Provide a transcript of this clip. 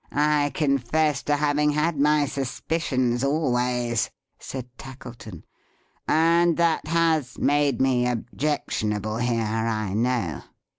"I confess to having had my suspicions always," said Tackleton. "And that has made me objectionable here, I know."